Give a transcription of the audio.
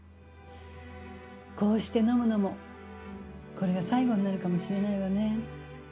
こうして飲むのもこれが最後になるかもしれないわね。